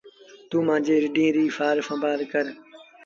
توٚنٚ مآݩجيٚ رڍينٚ ريٚ سآر سنڀآر ڪر۔